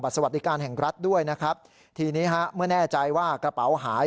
สวัสดิการแห่งรัฐด้วยนะครับทีนี้ฮะเมื่อแน่ใจว่ากระเป๋าหาย